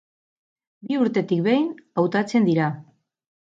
Bi urtetik behin hautatzen dira.